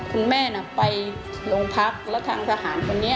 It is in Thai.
คุณแม่น่ะไปโรงพักแล้วทางทหารคนนี้